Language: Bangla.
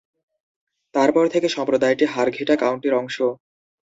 তারপর থেকে, সম্প্রদায়টি হারঘিটা কাউন্টির অংশ।